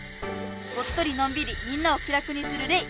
「『お』っとりのんびりみんなを気楽にするレ『イ』」！